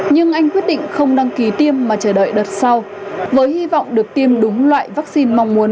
nhưng anh quyết định không đăng ký tiêm mà chờ đợi đợt sau với hy vọng được tiêm đúng loại vaccine mong muốn